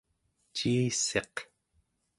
ciissiq